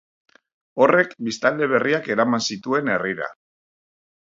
Horrek biztanle berriak eraman zituen herrira.